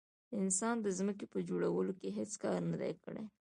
انسان د ځمکې په جوړولو کې هیڅ کار نه دی کړی.